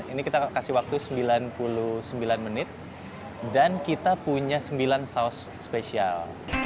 ini kita kasih waktu sembilan puluh sembilan menit dan kita punya sembilan saus spesial